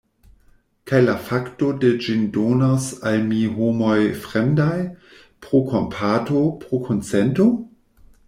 Kaj la fakto, ke ĝin donos al mi homoj fremdaj, pro kompato, pro kunsento?